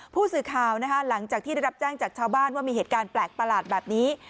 ผู้สื่อข่าวนะคะหลังจากที่ได้รับแจ้งจากชาวบ้านว่ามีเหตุการณ์แปลกประหลาดแบบนี้